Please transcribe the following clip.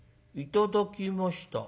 『頂きました』。